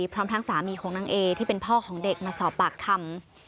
พร้อมทั้งสามีของนางเอที่เป็นพ่อของเด็กมาสอบปากคำ